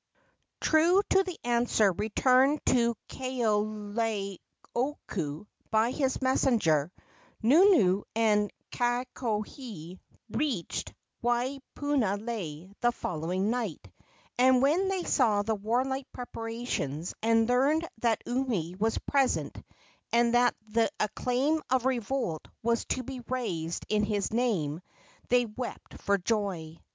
IV. True to the answer returned to Kaoleioku by his messenger, Nunu and Kakohe reached Waipunalei the following night; and when they saw the warlike preparations, and learned that Umi was present and that the acclaim of revolt was to be raised in his name, they wept for joy.